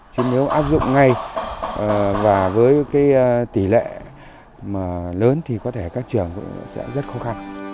chứ nếu áp dụng ngay và với cái tỷ lệ mà lớn thì có thể các trường cũng sẽ rất khó khăn